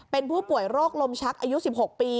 เป็นผู้ป่วยโรคลมชักอายุ๑๖ปี